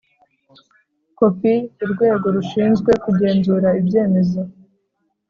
kopi urwego rushinzwe kugenzura ibyemezo